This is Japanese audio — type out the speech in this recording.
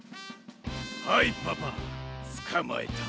はいパパつかまえた。